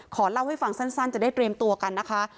ขอเล่าให้ฟังสั้นจะได้เตรียมตัวกันนะคะ